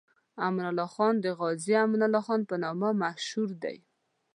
امان الله خان د غازي امان الله خان په نامه مشهور دی.